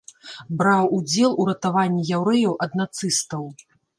Браў удзел у ратаванні яўрэяў ад нацыстаў.